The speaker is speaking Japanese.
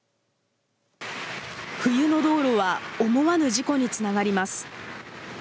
冬の道路は思わぬ事故につながります。